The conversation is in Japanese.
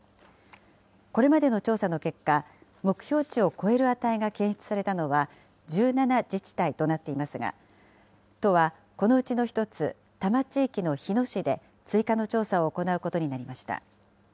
これまでの調査の結果、目標値を超える値が検出されたのは１７自治体となっていますが、都はこのうちの１つ、多摩地域の日野市で、追加の調査を行うことになりました。